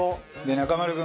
中丸君